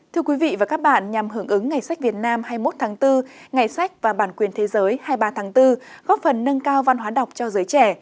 thưa quý vị và các bạn nhằm hưởng ứng ngày sách việt nam hai mươi một tháng bốn ngày sách và bản quyền thế giới hai mươi ba tháng bốn góp phần nâng cao văn hóa đọc cho giới trẻ